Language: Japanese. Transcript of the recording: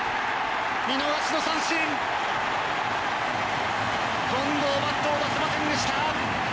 見逃しの三振、近藤バットを出せませんでした。